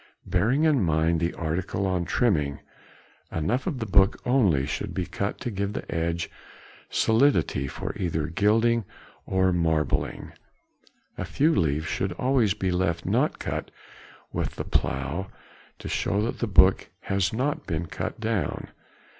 Bearing in mind the article on trimming, enough of the book only should be cut to give the edge solidity for either gilding or marbling. A few leaves should always be left not cut with the plough, to show that the book has not been cut down.